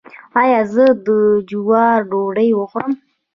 ایا زه د جوارو ډوډۍ وخورم؟